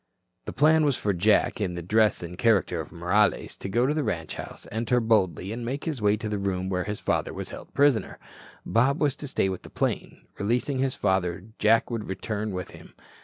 The plan was for Jack, in the dress and character of Morales, to go to the ranch house, enter boldly and make his way to the room where his father was held prisoner. Bob was to stay with the plane. Releasing his father, Jack would return with him.